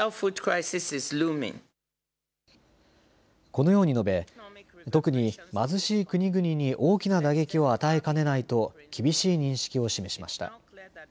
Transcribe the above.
このように述べ、特に貧しい国々に大きな打撃を与えかねないと厳しい認識を示しました。